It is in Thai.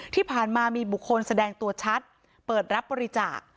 ที่ผ่านมามีบุคคลแสดงตัวชัดเปิดรับบริจาค